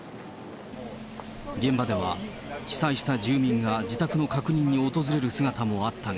現場では、被災した住民が自宅の確認に訪れる姿もあったが。